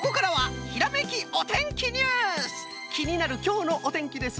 きになるきょうのおてんきです。